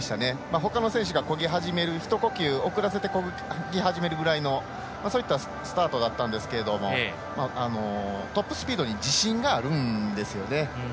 ほかの選手がこぎ始める一呼吸遅らせてこぎ始めるくらいのそういったスタートだったんですけどもトップスピードに自信があるんですよね。